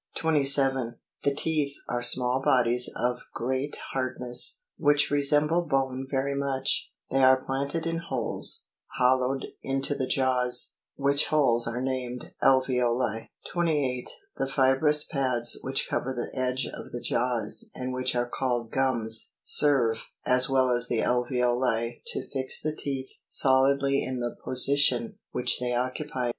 27. The teeth are small bodies of m great hardness, which resemble bone very much; they are planted in holes, hollowed into the jaws, which holes are named alveoli. 28. The fibrous pads Fig, 15. which cover the edge of the jaws, and which are called gums, serve, as well as the alveoli, to fix the teeth solidly in the po sition which they occupy.